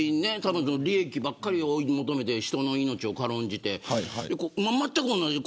利益ばかりを追い求めて人の命を軽んじてまったく同じ。